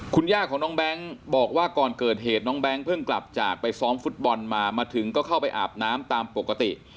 คุณย่าของน้องแบงค์บอกว่าก่อนเกิดเหตุน้องแบงค์เพิ่งกลับจากไปซ้อมฟุตบอลมามาถึงก็เข้าไปอาบน้ำตามปกติ